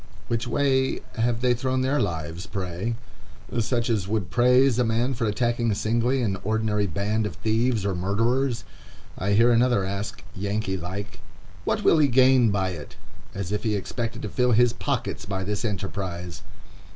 Which way have they thrown their lives, pray?—Such as would praise a man for attacking singly an ordinary band of thieves or murderers. I hear another ask, Yankee like, "What will he gain by it?" as if he expected to fill his pockets by this enterprise.